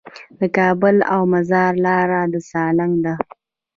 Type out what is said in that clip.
د کابل او مزار لاره د سالنګ ده